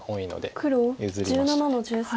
黒１７の十三。